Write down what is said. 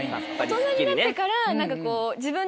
大人になってから。